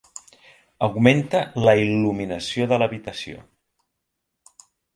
Augmenta la il·luminació de l'habituació.